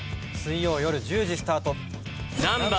水曜夜１０時スタート。